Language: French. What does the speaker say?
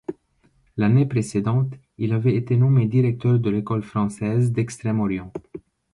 L'année précédente, il avait été nommé directeur de l'École française d'Extrême-Orient.